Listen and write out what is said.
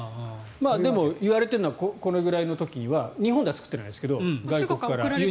でもいわれているのはこれぐらいの時は日本では作っていないですが外国から輸入。